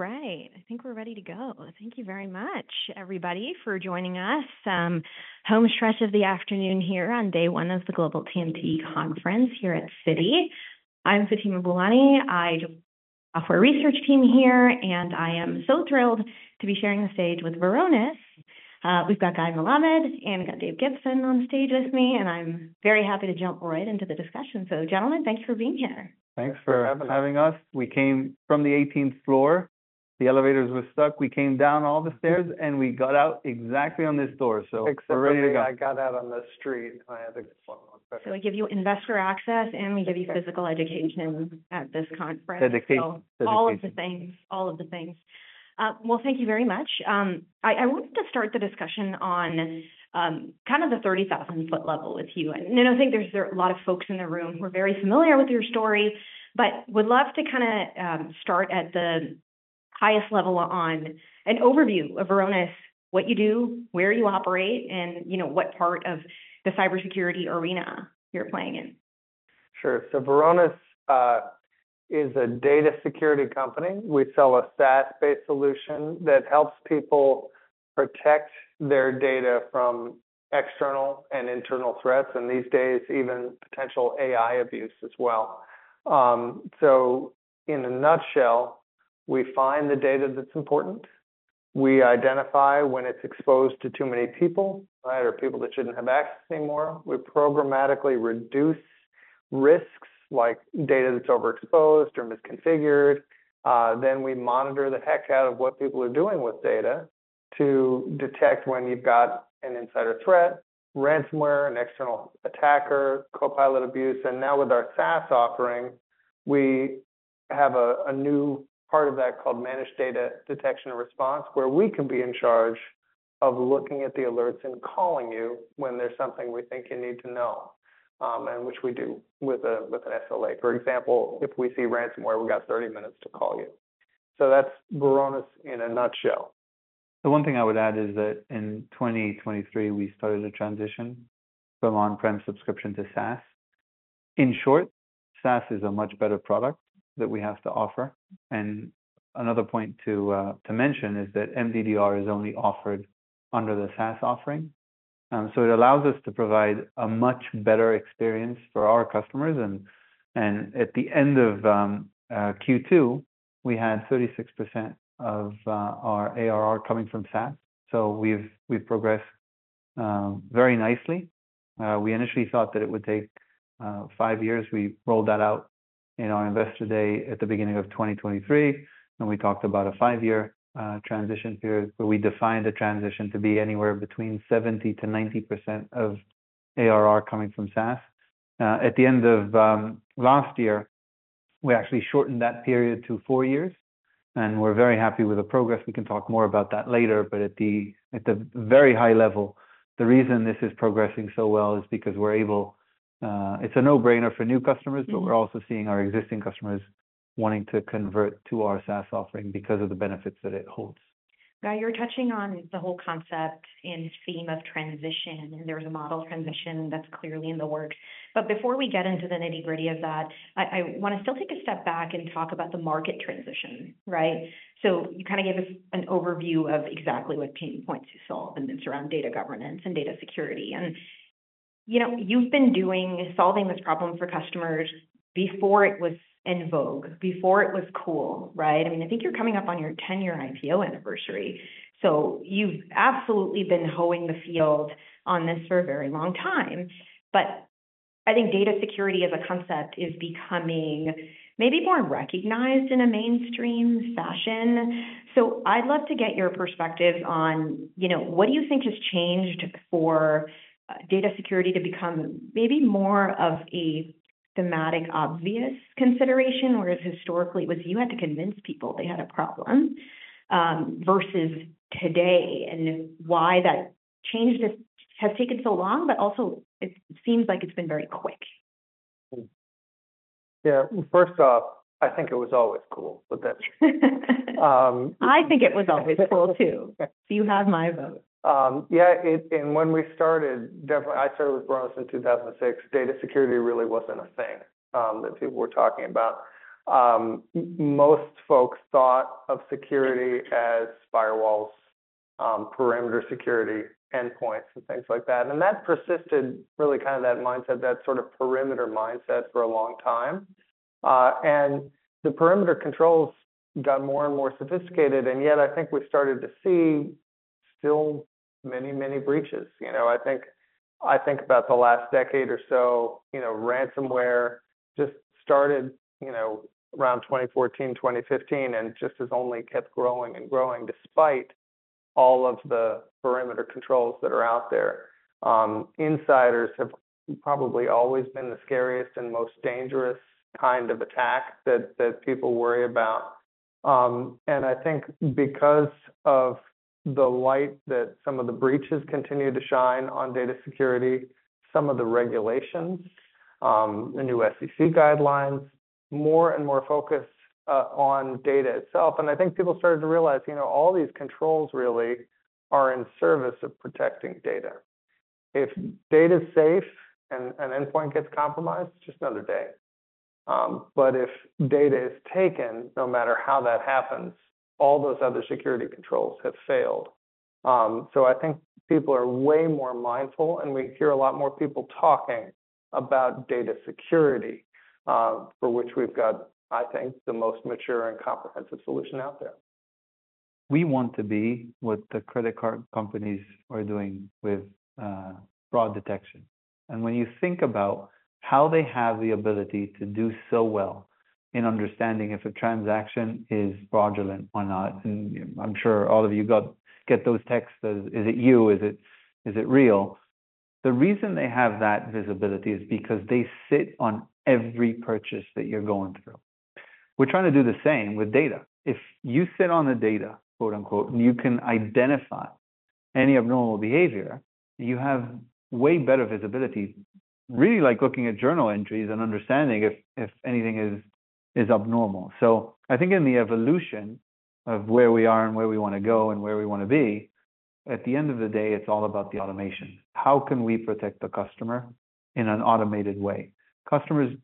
All right, I think we're ready to go. Thank you very much, everybody, for joining us. Home stretch of the afternoon here on day one of the Global TMT Conference here at Citi. I'm Fatima Boolani. I do software research team here, and I am so thrilled to be sharing the stage with Varonis. We've got Guy Melamed, and we've got Dave Gibson on stage with me, and I'm very happy to jump right into the discussion. So gentlemen, thank you for being here. Thanks for- Thanks for having us. Having us. We came from the eighteenth floor. The elevators were stuck. We came down all the stairs, and we got out exactly on this door, so we're ready to go. Except for me, I got out on the street, and I had to walk. So we give you investor access, and we give you physical education at this conference. The dictate. All of the things, all of the things. Well, thank you very much. I wanted to start the discussion on kind of the thirty thousand foot level with you, and I think there's a lot of folks in the room who are very familiar with your story, but would love to kinda start at the highest level on an overview of Varonis, what you do, where you operate, and you know what part of the cybersecurity arena you're playing in. Sure. So Varonis is a data security company. We sell a SaaS-based solution that helps people protect their data from external and internal threats, and these days, even potential AI abuse as well. So in a nutshell, we find the data that's important. We identify when it's exposed to too many people, right, or people that shouldn't have access anymore. We programmatically reduce risks like data that's overexposed or misconfigured. Then we monitor the heck out of what people are doing with data to detect when you've got an insider threat, ransomware, an external attacker, Copilot abuse. Now with our SaaS offering, we have a new part of that called Managed Data Detection and Response, where we can be in charge of looking at the alerts and calling you when there's something we think you need to know, and which we do with an SLA. For example, if we see ransomware, we've got 30 minutes to call you. That's Varonis in a nutshell. The one thing I would add is that in 2023, we started a transition from on-prem subscription to SaaS. In short, SaaS is a much better product that we have to offer, and another point to mention is that MDDR is only offered under the SaaS offering. So it allows us to provide a much better experience for our customers, and at the end of Q2, we had 36% of our ARR coming from SaaS. So we've progressed very nicely. We initially thought that it would take five years. We rolled that out in our Investor Day at the beginning of 2023, and we talked about a five-year transition period, where we defined the transition to be anywhere between 70%-90% of ARR coming from SaaS. At the end of last year, we actually shortened that period to four years, and we're very happy with the progress. We can talk more about that later, but at the very high level, the reason this is progressing so well is because it's a no-brainer for new customers, but we're also seeing our existing customers wanting to convert to our SaaS offering because of the benefits that it holds. Now, you're touching on the whole concept and theme of transition, and there's a model transition that's clearly in the works. But before we get into the nitty-gritty of that, I wanna still take a step back and talk about the market transition, right? So you kinda gave us an overview of exactly what pain points you solve, and it's around data governance and data security. And, you know, you've been doing solving this problem for customers before it was in vogue, before it was cool, right? I mean, I think you're coming up on your 10-year IPO anniversary, so you've absolutely been holding the field on this for a very long time. But I think data security as a concept is becoming maybe more recognized in a mainstream fashion. I'd love to get your perspective on, you know, what do you think has changed for data security to become maybe more of a thematic, obvious consideration? Whereas historically, it was you had to convince people they had a problem versus today, and why that change has taken so long, but also it seems like it's been very quick. Yeah. First off, I think it was always cool, but that... I think it was always cool too. You have my vote. And when we started, definitely, I started with Varonis in 2006, data security really wasn't a thing that people were talking about. Most folks thought of security as firewalls, perimeter security, endpoints, and things like that. And that persisted, really kind of that mindset, that sort of perimeter mindset for a long time. And the perimeter controls got more and more sophisticated, and yet I think we started to see still many, many breaches. You know, I think about the last decade or so, you know, ransomware just started, you know, around 2014, 2015, and just has only kept growing and growing, despite all of the perimeter controls that are out there. Insiders have probably always been the scariest and most dangerous kind of attack that people worry about. I think because of the light that some of the breaches continue to shine on data security, some of the regulations, the new SEC guidelines, more and more focused on data itself, and I think people started to realize, you know, all these controls really are in service of protecting data. If data is safe and an endpoint gets compromised, just another day, but if data is taken, no matter how that happens, all those other security controls have failed, so I think people are way more mindful, and we hear a lot more people talking about data security, for which we've got, I think, the most mature and comprehensive solution out there. We want to be what the credit card companies are doing with fraud detection. And when you think about how they have the ability to do so well in understanding if a transaction is fraudulent or not, and I'm sure all of you get those texts, "Is it you? Is it real?" The reason they have that visibility is because they sit on every purchase that you're going through. We're trying to do the same with data. If you sit on the data, quote, unquote, "You can identify any abnormal behavior," you have way better visibility, really like looking at journal entries and understanding if anything is abnormal. So I think in the evolution of where we are and where we want to go and where we want to be, at the end of the day, it's all about the automation. How can we protect the customer in an automated way? Customers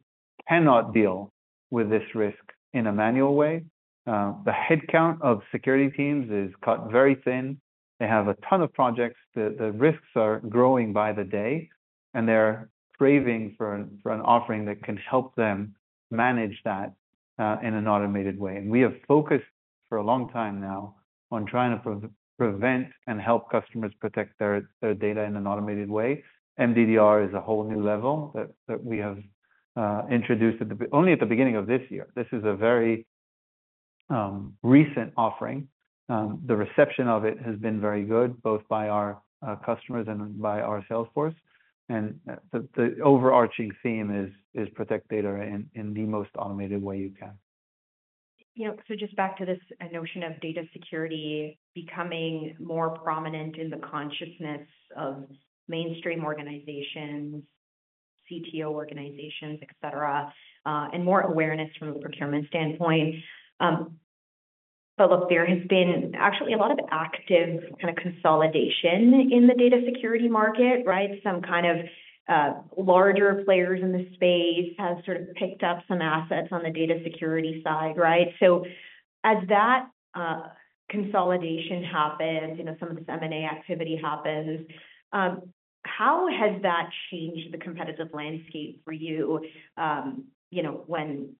cannot deal with this risk in a manual way. The headcount of security teams is cut very thin. They have a ton of projects. The risks are growing by the day, and they're craving for an offering that can help them manage that in an automated way. And we have focused for a long time now on trying to prevent and help customers protect their data in an automated way. MDDR is a whole new level that we have introduced only at the beginning of this year. This is a very recent offering. The reception of it has been very good, both by our customers and by our sales force. The overarching theme is to protect data in the most automated way you can. Yeah, so just back to this notion of data security becoming more prominent in the consciousness of mainstream organizations, CTO organizations, et cetera, and more awareness from a procurement standpoint, but look, there has been actually a lot of active kind of consolidation in the data security market, right? Some kind of larger players in the space have sort of picked up some assets on the data security side, right? So as that consolidation happens, you know, some of the M&A activity happens, how has that changed the competitive landscape for you, you know, when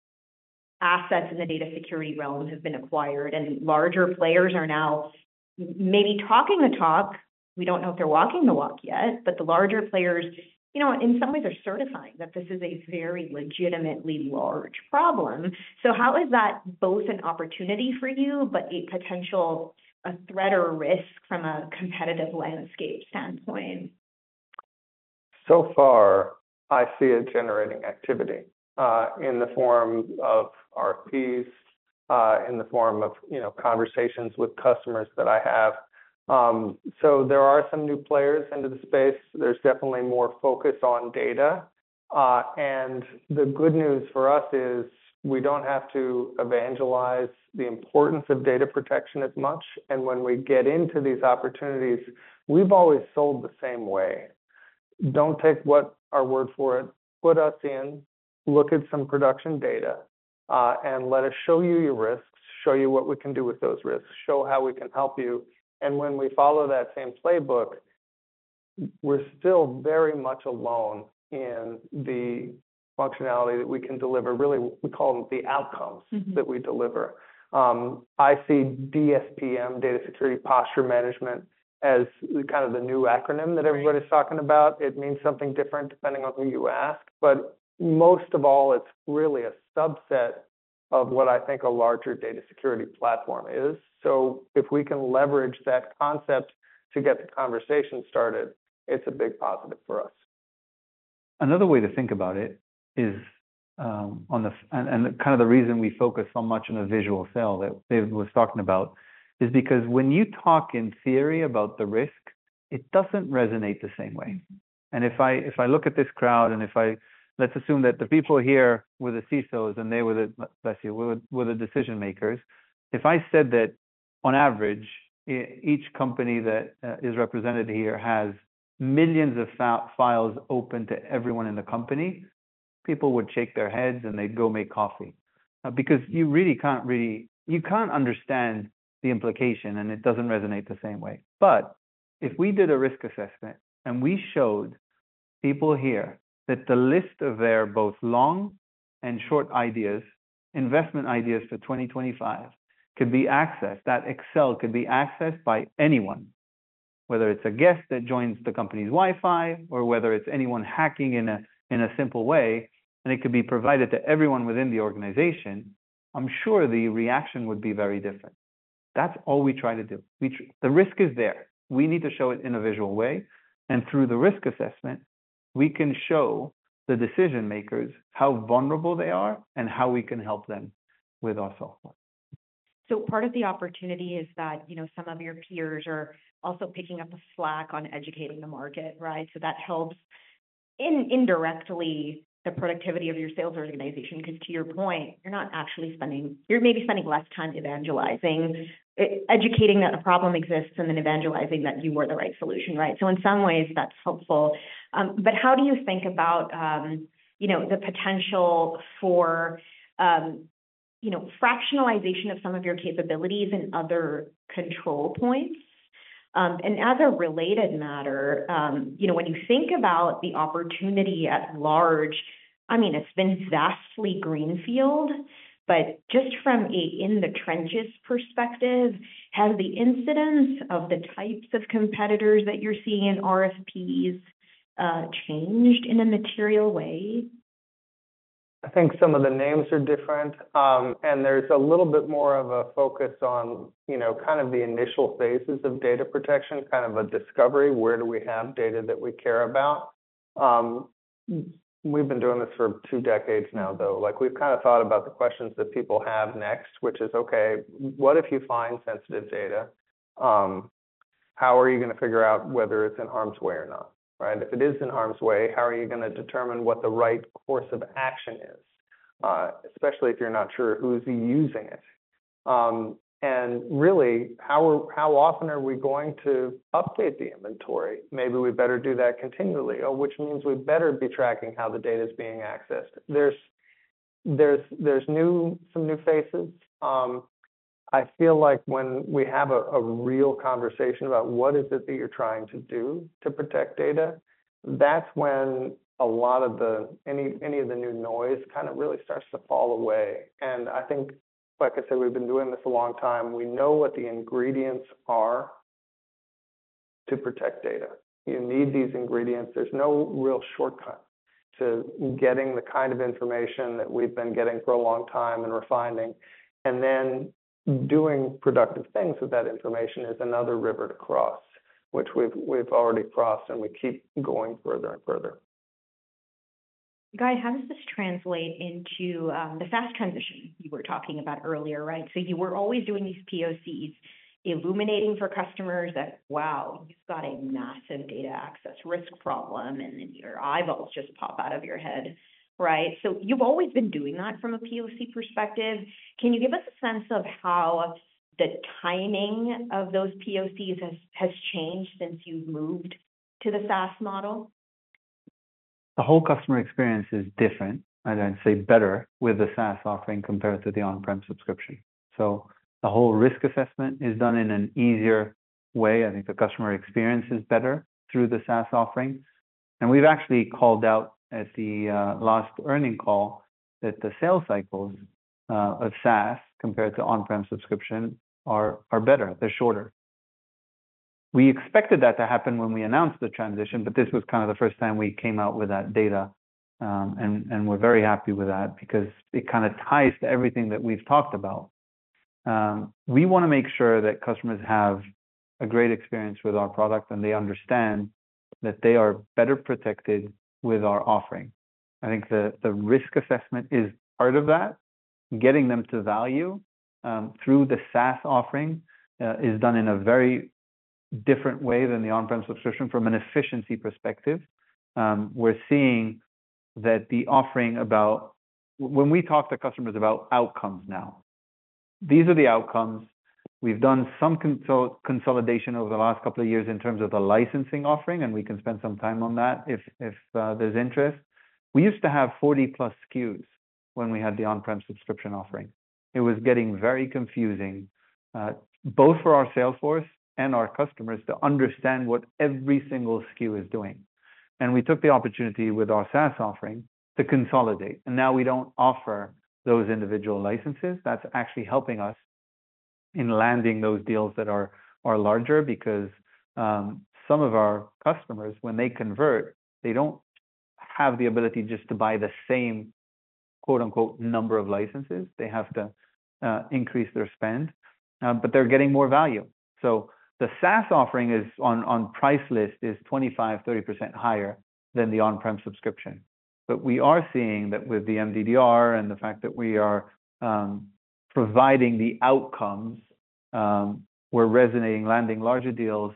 assets in the data security realm have been acquired and larger players are now maybe talking the talk? We don't know if they're walking the walk yet, but the larger players, you know, in some ways are certifying that this is a very legitimately large problem. So how is that both an opportunity for you, but a potential, a threat or a risk from a competitive landscape standpoint? So far, I see it generating activity in the form of RFPs in the form of, you know, conversations with customers that I have, so there are some new players into the space. There's definitely more focus on data, and the good news for us is we don't have to evangelize the importance of data protection as much, and when we get into these opportunities, we've always sold the same way. Don't take our word for it, put us in, look at some production data, and let us show you your risks, show you what we can do with those risks, show how we can help you, and when we follow that same playbook, we're still very much alone in the functionality that we can deliver. Really, we call them the outcomes- Mm-hmm. -that we deliver. I see DSPM, Data Security Posture Management, as kind of the new acronym- Right That everybody's talking about. It means something different depending on who you ask. But most of all, it's really a subset of what I think a larger data security platform is. So if we can leverage that concept to get the conversation started, it's a big positive for us. Another way to think about it is, kind of the reason we focus so much on a visual sell, that Dave was talking about, is because when you talk in theory about the risk, it doesn't resonate the same way. Mm-hmm. And if I look at this crowd and let's assume that the people here were the CISOs and they were the decision makers. If I said that on average, each company that is represented here has millions of files open to everyone in the company, people would shake their heads, and they'd go make coffee. Because you really can't understand the implication, and it doesn't resonate the same way. But if we did a risk assessment, and we showed people here that the list of their both long and short ideas, investment ideas for 2025, could be accessed, that Excel could be accessed by anyone, whether it's a guest that joins the company's Wi-Fi or whether it's anyone hacking in a simple way, and it could be provided to everyone within the organization, I'm sure the reaction would be very different. That's all we try to do. The risk is there. We need to show it in a visual way, and through the risk assessment, we can show the decision makers how vulnerable they are and how we can help them with our software. So part of the opportunity is that, you know, some of your peers are also picking up the slack on educating the market, right? So that helps indirectly, the productivity of your sales organization, because to your point, you're not actually spending, you're maybe spending less time evangelizing, educating that a problem exists and then evangelizing that you were the right solution, right? So in some ways, that's helpful. But how do you think about, you know, the potential for, you know, fractionalization of some of your capabilities and other control points? And as a related matter, you know, when you think about the opportunity at large, I mean, it's been vastly greenfield, but just from an in-the-trenches perspective, has the incidence of the types of competitors that you're seeing in RFPs, changed in a material way? I think some of the names are different, and there's a little bit more of a focus on, you know, kind of the initial phases of data protection, kind of a discovery. Where do we have data that we care about? We've been doing this for two decades now, though. Like, we've kind of thought about the questions that people have next, which is, okay, what if you find sensitive data? How are you gonna figure out whether it's in harm's way or not, right? If it is in harm's way, how are you gonna determine what the right course of action is, especially if you're not sure who's using it? And really, how often are we going to update the inventory? Maybe we better do that continually, which means we better be tracking how the data is being accessed. There's some new faces. I feel like when we have a real conversation about what is it that you're trying to do to protect data, that's when a lot of the new noise kind of really starts to fall away. And I think, like I said, we've been doing this a long time. We know what the ingredients are to protect data. You need these ingredients. There's no real shortcut to getting the kind of information that we've been getting for a long time and refining. And then doing productive things with that information is another river to cross, which we've already crossed, and we keep going further and further. Guy, how does this translate into the fast transition you were talking about earlier, right? So you were always doing these POCs, illuminating for customers that, wow, you've got a massive data access risk problem, and then your eyeballs just pop out of your head, right? So you've always been doing that from a POC perspective. Can you give us a sense of how the timing of those POCs has changed since you moved to the SaaS model? The whole customer experience is different, and I'd say better with the SaaS offering compared to the on-prem subscription. So the whole risk assessment is done in an easier way. I think the customer experience is better through the SaaS offering. And we've actually called out at the last earnings call that the sales cycles of SaaS, compared to on-prem subscription, are better. They're shorter. We expected that to happen when we announced the transition, but this was kind of the first time we came out with that data. And we're very happy with that because it kinda ties to everything that we've talked about. We wanna make sure that customers have a great experience with our product, and they understand that they are better protected with our offering. I think the risk assessment is part of that. Getting them to value through the SaaS offering is done in a very different way than the on-prem subscription from an efficiency perspective. We're seeing that the offering. When we talk to customers about outcomes now, these are the outcomes. We've done some consolidation over the last couple of years in terms of the licensing offering, and we can spend some time on that if there's interest. We used to have forty plus SKUs when we had the on-prem subscription offering. It was getting very confusing both for our sales force and our customers to understand what every single SKU is doing, and we took the opportunity with our SaaS offering to consolidate, and now we don't offer those individual licenses. That's actually helping us in landing those deals that are larger because some of our customers, when they convert, they don't have the ability just to buy the same, quote-unquote, "number of licenses." They have to increase their spend, but they're getting more value. So the SaaS offering is on price list is 25%-30% higher than the on-prem subscription. But we are seeing that with the MDDR and the fact that we are providing the outcomes, we're resonating, landing larger deals.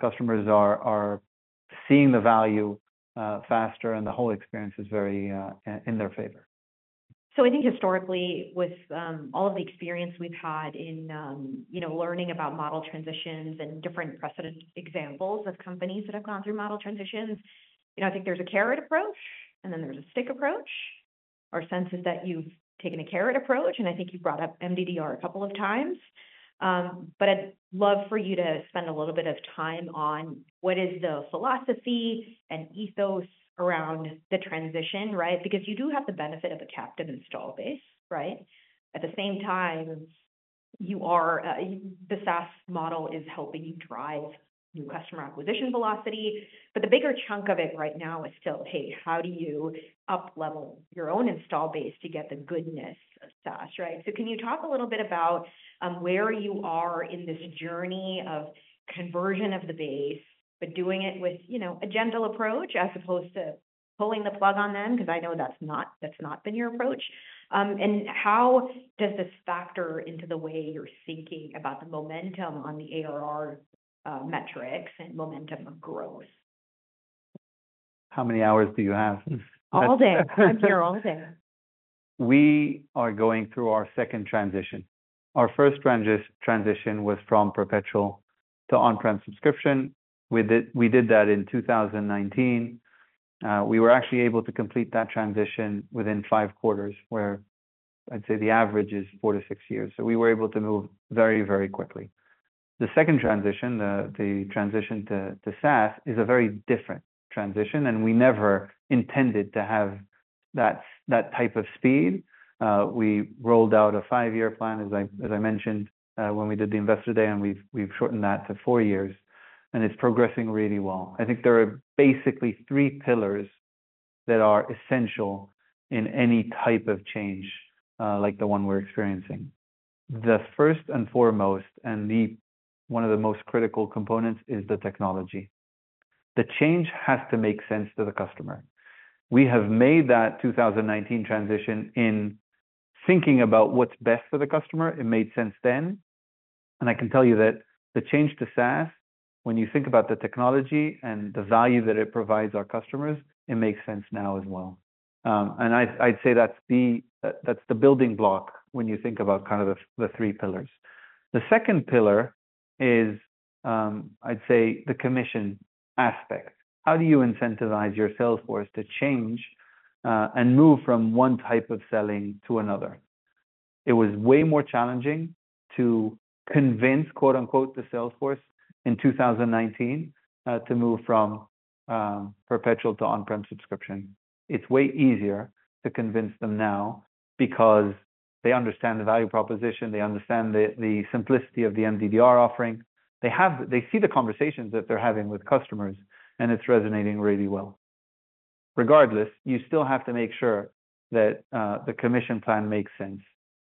Customers are seeing the value faster, and the whole experience is very in their favor. So I think historically, with all of the experience we've had in, you know, learning about model transitions and different precedent examples of companies that have gone through model transitions, you know, I think there's a carrot approach, and then there's a stick approach. Our sense is that you've taken a carrot approach, and I think you've brought up MDDR a couple of times. But I'd love for you to spend a little bit of time on what is the philosophy and ethos around the transition, right? Because you do have the benefit of a captive install base, right? At the same time, you are, the SaaS model is helping you drive new customer acquisition velocity, but the bigger chunk of it right now is still, hey, how do you uplevel your own install base to get the goodness of SaaS, right? So can you talk a little bit about where you are in this journey of conversion of the base, but doing it with, you know, a gentle approach as opposed to pulling the plug on them? Because I know that's not been your approach. And how does this factor into the way you're thinking about the momentum on the ARR metrics and momentum of growth?... How many hours do you have? All day. I'm here all day. We are going through our second transition. Our first transition was from perpetual to on-prem subscription. We did that in 2019. We were actually able to complete that transition within five quarters, where I'd say the average is four to six years, so we were able to move very, very quickly. The second transition, the transition to SaaS, is a very different transition, and we never intended to have that type of speed. We rolled out a five-year plan, as I mentioned, when we did the Investor Day, and we've shortened that to four years, and it's progressing really well. I think there are basically three pillars that are essential in any type of change, like the one we're experiencing. The first and foremost, and the one of the most critical components, is the technology. The change has to make sense to the customer. We have made that 2019 transition in thinking about what's best for the customer. It made sense then, and I can tell you that the change to SaaS, when you think about the technology and the value that it provides our customers, it makes sense now as well. I'd say that's the building block when you think about kind of the three pillars. The second pillar is, I'd say the commission aspect. How do you incentivize your sales force to change and move from one type of selling to another? It was way more challenging to convince, quote, unquote, "the sales force" in 2019, to move from perpetual to on-prem subscription. It's way easier to convince them now because they understand the value proposition. They understand the simplicity of the MDDR offering. They see the conversations that they're having with customers, and it's resonating really well. Regardless, you still have to make sure that the commission plan makes sense.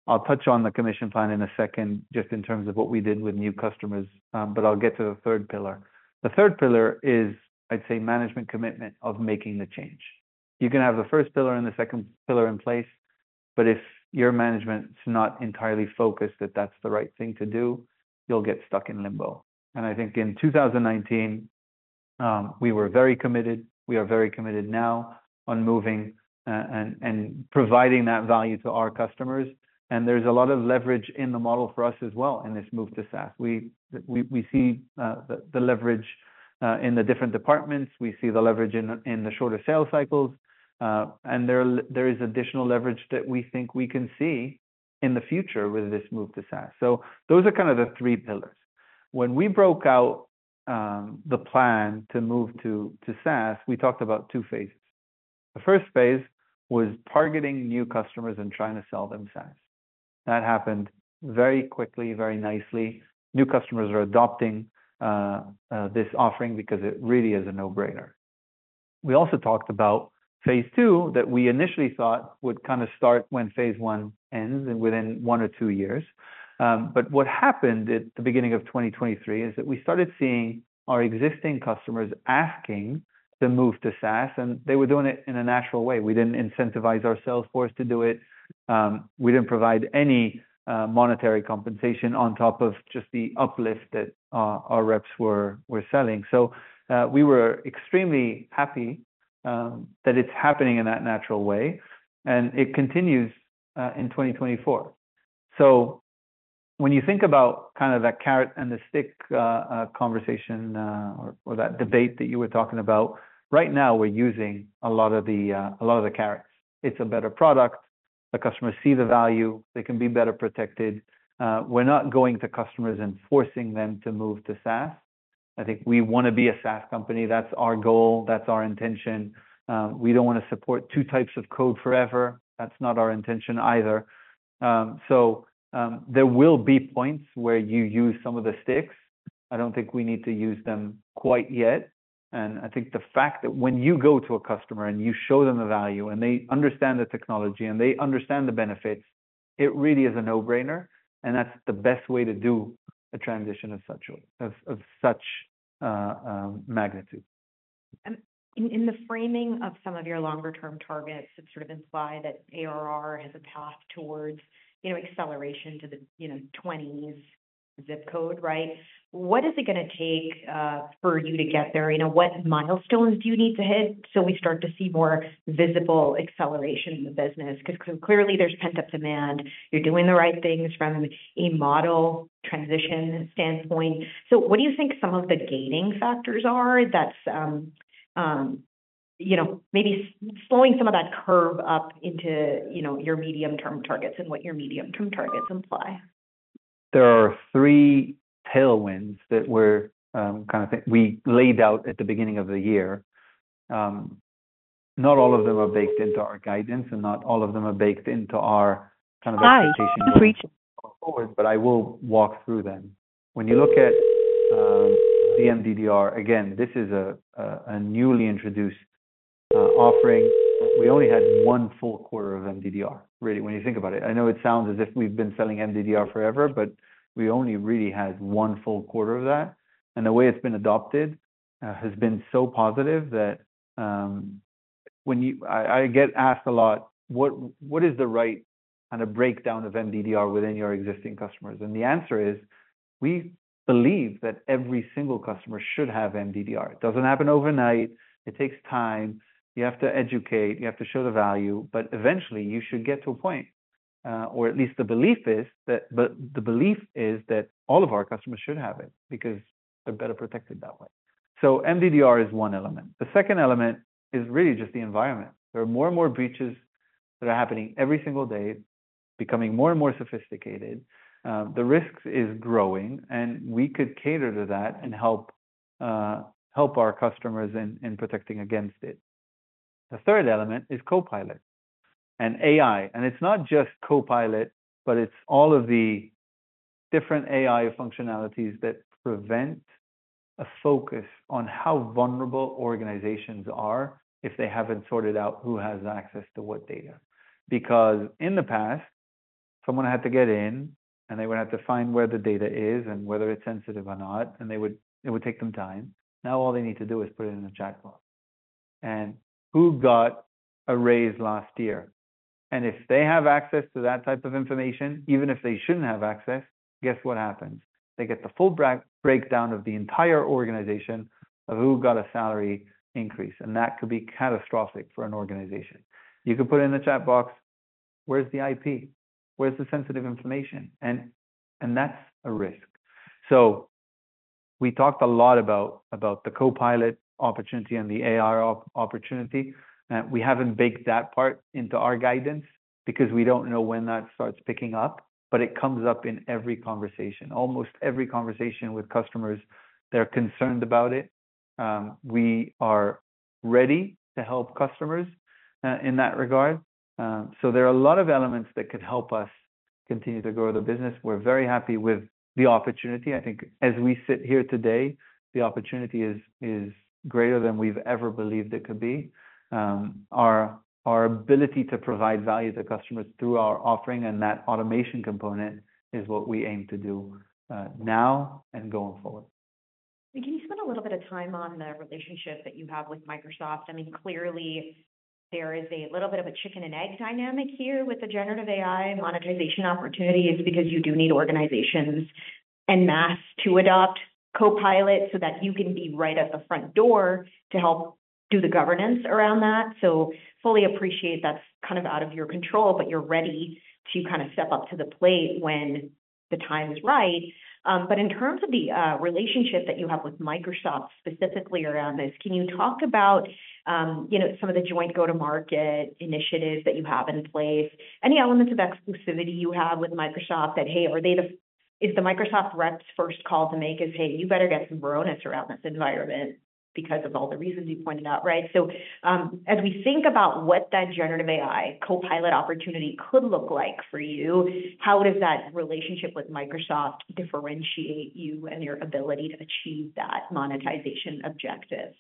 I'll touch on the commission plan in a second, just in terms of what we did with new customers, but I'll get to the third pillar. The third pillar is, I'd say, management commitment of making the change. You can have the first pillar and the second pillar in place, but if your management's not entirely focused, that that's the right thing to do, you'll get stuck in limbo, and I think in 2019 we were very committed. We are very committed now on moving, and providing that value to our customers, and there's a lot of leverage in the model for us as well in this move to SaaS. We see the leverage in the different departments. We see the leverage in the shorter sales cycles. And there is additional leverage that we think we can see in the future with this move to SaaS. So those are kind of the three pillars. When we broke out the plan to move to SaaS, we talked about two phases. The first phase was targeting new customers and trying to sell them SaaS. That happened very quickly, very nicely. New customers are adopting this offering because it really is a no-brainer. We also talked about phase II, that we initially thought would kind of start when phase I ends and within one or two years, but what happened at the beginning of twenty twenty-three is that we started seeing our existing customers asking to move to SaaS, and they were doing it in a natural way. We didn't incentivize our sales force to do it. We didn't provide any monetary compensation on top of just the uplift that our reps were selling, so we were extremely happy that it's happening in that natural way, and it continues in twenty twenty-four, so when you think about kind of that carrot and the stick conversation or that debate that you were talking about, right now, we're using a lot of the carrots. It's a better product. The customers see the value. They can be better protected. We're not going to customers and forcing them to move to SaaS. I think we want to be a SaaS company. That's our goal, that's our intention. We don't want to support two types of code forever. That's not our intention either. So, there will be points where you use some of the sticks. I don't think we need to use them quite yet, and I think the fact that when you go to a customer and you show them the value, and they understand the technology, and they understand the benefits, it really is a no-brainer, and that's the best way to do a transition of such magnitude. In the framing of some of your longer term targets, it's sort of implied that ARR has a path towards, you know, acceleration to the, you know, twenties zip code, right? What is it gonna take for you to get there? You know, what milestones do you need to hit so we start to see more visible acceleration in the business? Because clearly there's pent-up demand. You're doing the right things from a model transition standpoint. So what do you think some of the lagging factors are that's, you know, maybe slowing some of that curve up into, you know, your medium-term targets and what your medium-term targets imply? There are three tailwinds that we're kind of. We laid out at the beginning of the year. Not all of them are baked into our guidance, and not all of them are baked into our kind of-... forward, but I will walk through them. When you look at the MDDR, again, this is a newly introduced offering. We only had one full quarter of MDDR, really, when you think about it. I know it sounds as if we've been selling MDDR forever, but we only really had one full quarter of that, and the way it's been adopted has been so positive that I get asked a lot, what is the right kind of breakdown of MDDR within your existing customers? And the answer is, we believe that every single customer should have MDDR. It doesn't happen overnight. It takes time. You have to educate, you have to show the value, but eventually you should get to a point, or at least the belief is that all of our customers should have it, because they're better protected that way. So MDDR is one element. The second element is really just the environment. There are more and more breaches that are happening every single day, becoming more and more sophisticated. The risk is growing, and we could cater to that and help our customers in protecting against it. The third element is Copilot and AI, and it's not just Copilot, but it's all of the different AI functionalities that prevent a focus on how vulnerable organizations are if they haven't sorted out who has access to what data. Because in the past, someone had to get in, and they would have to find where the data is and whether it's sensitive or not, and it would take them time. Now all they need to do is put it in the chat box, and who got a raise last year? And if they have access to that type of information, even if they shouldn't have access, guess what happens? They get the full breakdown of the entire organization of who got a salary increase, and that could be catastrophic for an organization. You could put in the chat box, "Where's the IP? Where's the sensitive information?" and that's a risk, so we talked a lot about the Copilot opportunity and the AI opportunity. We haven't baked that part into our guidance because we don't know when that starts picking up, but it comes up in every conversation. Almost every conversation with customers, they're concerned about it. We are ready to help customers in that regard, so there are a lot of elements that could help us continue to grow the business. We're very happy with the opportunity. I think as we sit here today, the opportunity is greater than we've ever believed it could be. Our ability to provide value to customers through our offering and that automation component is what we aim to do now and going forward. Can you spend a little bit of time on the relationship that you have with Microsoft? I mean, clearly there is a little bit of a chicken and egg dynamic here with the generative AI monetization opportunities, because you do need organizations en masse to adopt Copilot so that you can be right at the front door to help do the governance around that. So fully appreciate that's kind of out of your control, but you're ready to kind of step up to the plate when the time is right. But in terms of the relationship that you have with Microsoft, specifically around this, can you talk about, you know, some of the joint go-to-market initiatives that you have in place? Any elements of exclusivity you have with Microsoft that, hey, are they the... If the Microsoft rep's first call to make is, "Hey, you better get some Varonis around this environment," because of all the reasons you pointed out, right? So, as we think about what that generative AI Copilot opportunity could look like for you, how does that relationship with Microsoft differentiate you and your ability to achieve that monetization objective?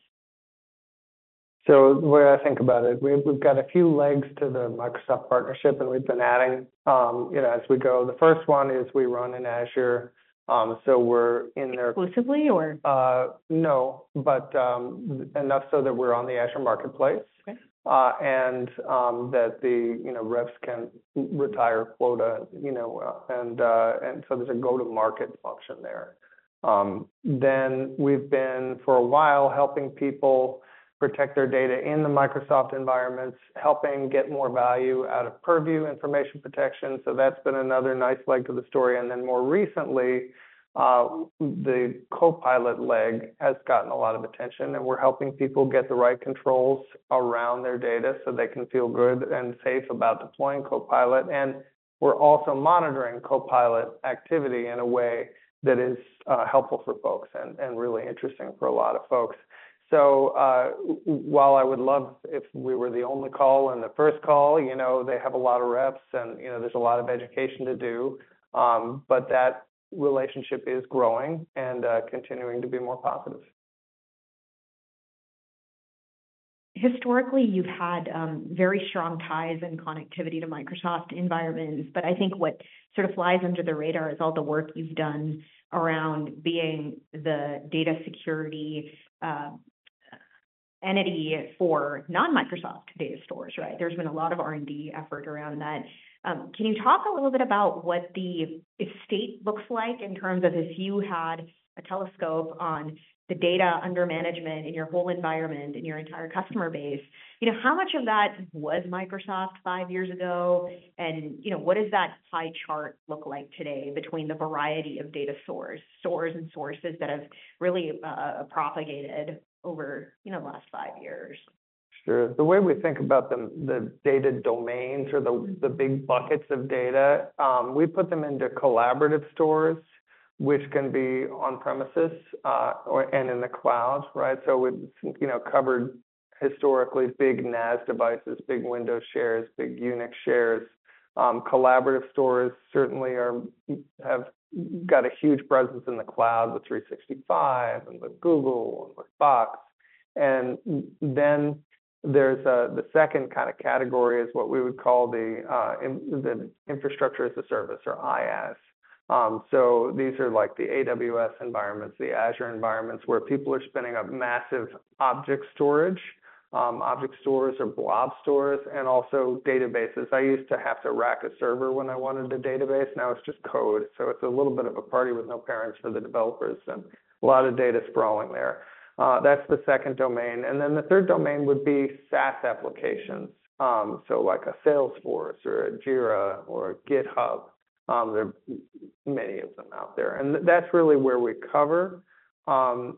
So the way I think about it, we've got a few legs to the Microsoft partnership, and we've been adding, you know, as we go. The first one is we run in Azure, so we're in there- Exclusively or? No, but enough so that we're on the Azure Marketplace. Okay. And that the, you know, reps can retire quota, you know, and so there's a go-to-market function there. Then we've been, for a while, helping people protect their data in the Microsoft environments, helping get more value out of Purview Information Protection. So that's been another nice leg to the story. And then more recently, the Copilot leg has gotten a lot of attention, and we're helping people get the right controls around their data so they can feel good and safe about deploying Copilot. And we're also monitoring Copilot activity in a way that is helpful for folks and really interesting for a lot of folks. While I would love if we were the only call and the first call, you know, they have a lot of reps and, you know, there's a lot of education to do, but that relationship is growing and continuing to be more positive. Historically, you've had very strong ties and connectivity to Microsoft environments, but I think what sort of flies under the radar is all the work you've done around being the data security entity for non-Microsoft data stores, right? There's been a lot of R&D effort around that. Can you talk a little bit about what the estate looks like in terms of if you had a telescope on the data under management in your whole environment, in your entire customer base? You know, how much of that was Microsoft five years ago, and, you know, what does that pie chart look like today between the variety of data sources that have really propagated over, you know, the last five years? Sure. The way we think about the data domains or the big buckets of data, we put them into collaborative stores, which can be on premises, or in the cloud, right? So we've, you know, covered historically big NAS devices, big Windows shares, big Unix shares. Collaborative stores certainly have got a huge presence in the cloud with 365 and with Google and with Box. And then there's the second kinda category is what we would call the Infrastructure as a Service or IaaS.... So these are like the AWS environments, the Azure environments, where people are spinning up massive object storage, object storage or blob storage, and also databases. I used to have to rack a server when I wanted a database, now it's just code, so it's a little bit of a party with no parents for the developers, and a lot of data sprawling there. That's the second domain, and then the third domain would be SaaS applications, so like a Salesforce or a Jira or a GitHub. There are many of them out there, and that's really where we cover, and,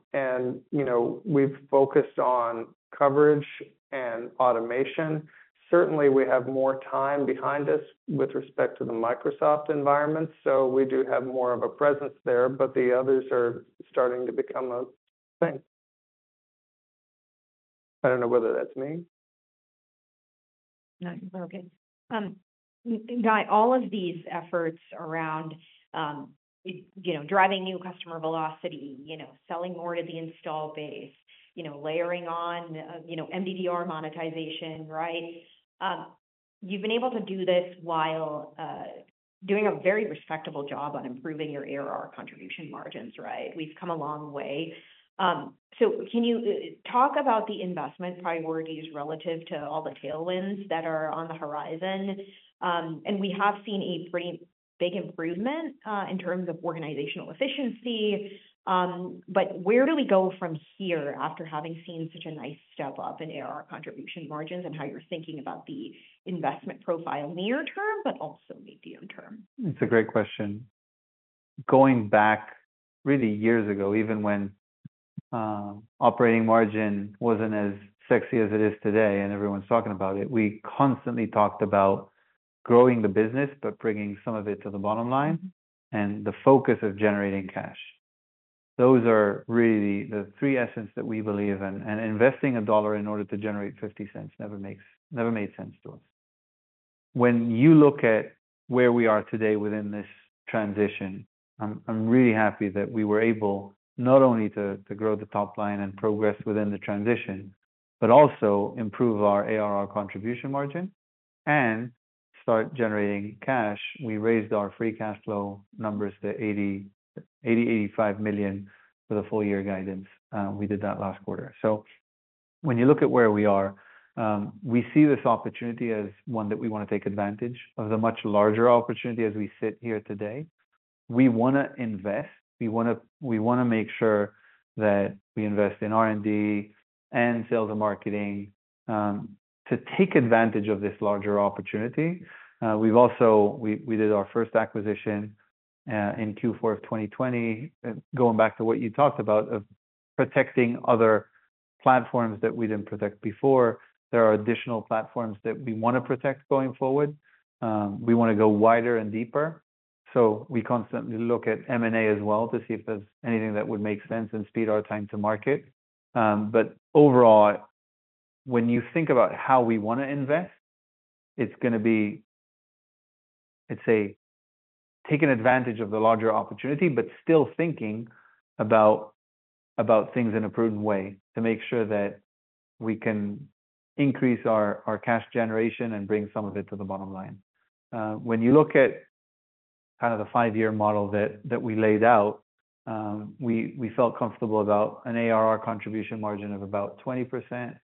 you know, we've focused on coverage and automation. Certainly, we have more time behind us with respect to the Microsoft environment, so we do have more of a presence there, but the others are starting to become a thing. I don't know whether that's me. No, you're okay. Guy, all of these efforts around, you know, driving new customer velocity, you know, selling more to the install base, you know, layering on, you know, MDDR monetization, right? You've been able to do this while doing a very respectable job on improving your ARR contribution margins, right? We've come a long way. So can you talk about the investment priorities relative to all the tailwinds that are on the horizon? And we have seen a great big improvement in terms of organizational efficiency. But where do we go from here after having seen such a nice step up in ARR contribution margins, and how you're thinking about the investment profile near term, but also medium term? It's a great question. Going back really years ago, even when operating margin wasn't as sexy as it is today and everyone's talking about it, we constantly talked about growing the business, but bringing some of it to the bottom line, and the focus of generating cash. Those are really the three essence that we believe in, and investing a dollar in order to generate fifty cents never made sense to us. When you look at where we are today within this transition, I'm really happy that we were able not only to grow the top line and progress within the transition, but also improve our ARR contribution margin and start generating cash. We raised our free cash flow numbers to $80 million-$85 million for the full year guidance. We did that last quarter. So when you look at where we are, we see this opportunity as one that we want to take advantage of the much larger opportunity as we sit here today. We want to invest, we wanna make sure that we invest in R&D and sales and marketing to take advantage of this larger opportunity. We've also. We did our first acquisition in Q4 of 2020. Going back to what you talked about, of protecting other platforms that we didn't protect before, there are additional platforms that we want to protect going forward. We want to go wider and deeper, so we constantly look at M&A as well to see if there's anything that would make sense and speed our time to market. But overall, when you think about how we want to invest, it's gonna be, let's say, taking advantage of the larger opportunity, but still thinking about things in a prudent way, to make sure that we can increase our cash generation and bring some of it to the bottom line. When you look at kind of the five-year model that we laid out, we felt comfortable about an ARR contribution margin of about 20%.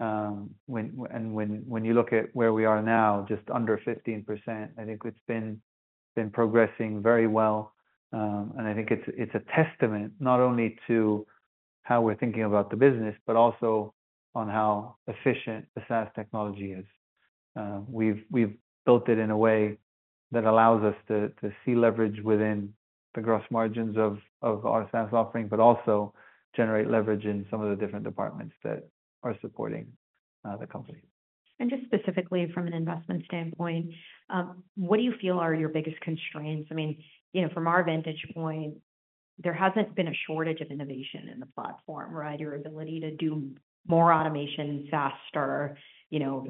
And when you look at where we are now, just under 15%, I think it's been progressing very well. And I think it's a testament not only to how we're thinking about the business, but also on how efficient the SaaS technology is. We've built it in a way that allows us to see leverage within the gross margins of our SaaS offering, but also generate leverage in some of the different departments that are supporting the company. And just specifically from an investment standpoint, what do you feel are your biggest constraints? I mean, you know, from our vantage point, there hasn't been a shortage of innovation in the platform, right? Your ability to do more automation faster, you know,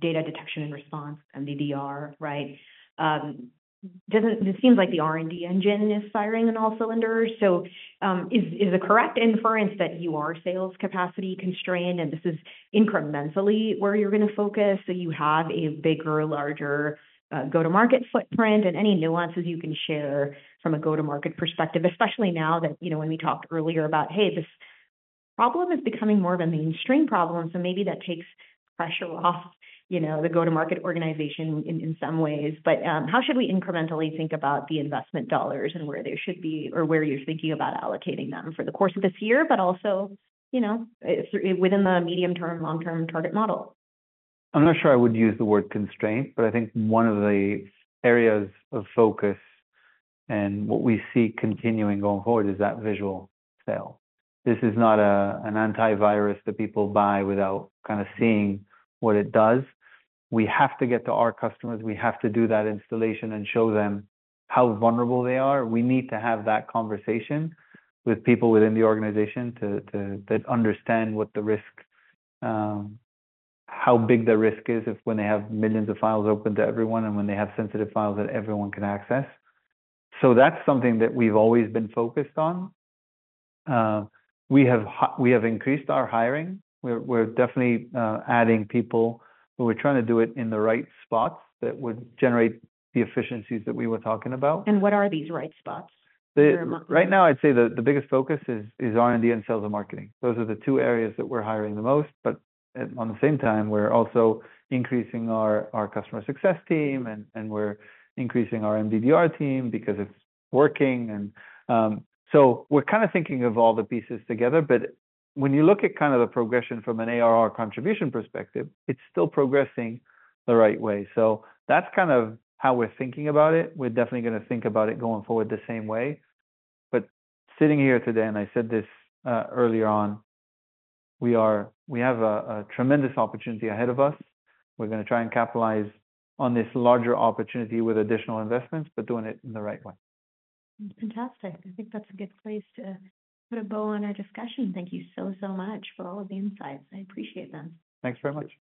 data detection and response, MDDR, right? Doesn't it seems like the R&D engine is firing on all cylinders. So, is the correct inference that you are sales capacity constrained, and this is incrementally where you're going to focus, so you have a bigger, larger, go-to-market footprint? And any nuances you can share from a go-to-market perspective, especially now that, you know, when we talked earlier about, "Hey, this problem is becoming more of a mainstream problem," so maybe that takes pressure off, you know, the go-to-market organization in some ways. But, how should we incrementally think about the investment dollars and where they should be, or where you're thinking about allocating them for the course of this year, but also, you know, within the medium-term, long-term target model? I'm not sure I would use the word constraint, but I think one of the areas of focus and what we see continuing going forward is that visual sale. This is not a, an antivirus that people buy without kind of seeing what it does. We have to get to our customers. We have to do that installation and show them how vulnerable they are. We need to have that conversation with people within the organization to, to... that understand what the risk, how big the risk is if when they have millions of files open to everyone, and when they have sensitive files that everyone can access. So that's something that we've always been focused on. We have increased our hiring. We're definitely adding people, but we're trying to do it in the right spots that would generate the efficiencies that we were talking about. What are these right spots? Right now, I'd say the biggest focus is R&D and sales and marketing. Those are the two areas that we're hiring the most, but at the same time, we're also increasing our customer success team, and we're increasing our MDDR team because it's working, so we're kind of thinking of all the pieces together, but when you look at kind of the progression from an ARR contribution perspective, it's still progressing the right way, so that's kind of how we're thinking about it. We're definitely gonna think about it going forward the same way, but sitting here today, and I said this earlier on, we have a tremendous opportunity ahead of us. We're gonna try and capitalize on this larger opportunity with additional investments, but doing it in the right way. Fantastic. I think that's a good place to put a bow on our discussion. Thank you so, so much for all of the insights. I appreciate them. Thanks very much. Thank you.